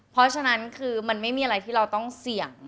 เพราะฉะนั้นคือมันไม่มีอะไรที่เราต้องเสี่ยง